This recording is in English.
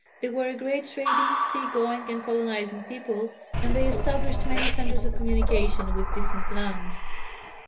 They were a great trading, sea going, and colonizing people, and they established many centres of communication with distant lands.